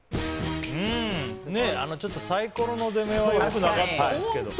ちょっとサイコロの出目は良くなかったですけど。